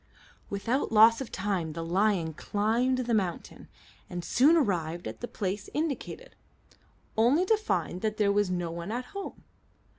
Without loss of time the lion climbed the mountain, and soon arrived at the place indicated, only to find that there was no one at home.